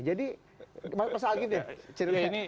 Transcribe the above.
jadi masalah gini